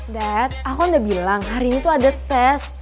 that aku udah bilang hari ini tuh ada tes